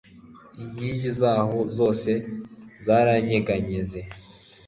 Inkingi zaho zose zaranyeganyeze